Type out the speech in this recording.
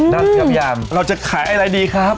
นั่นคือพี่อำเราจะขายอะไรดีครับ